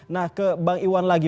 nah ke bang iwan lagi